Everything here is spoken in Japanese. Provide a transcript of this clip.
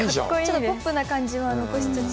ポップな感じは残しつつ。